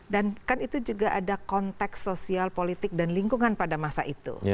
dan kan itu juga ada konteks sosial politik dan lingkungan pada masa itu